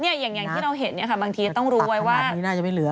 อย่างที่เราเห็นบางทีต้องรู้ไว้ว่า